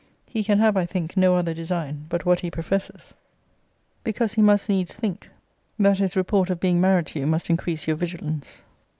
He can have, I think, no other design but what he professes; because he must needs think, that his report of being married to you must increase your vigilance.